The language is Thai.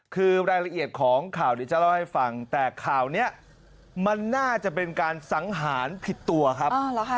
คือรายละเอียดของข่าวเดี๋ยวจะเล่าให้ฟังแต่ข่าวนี้มันน่าจะเป็นการสังหารผิดตัวครับ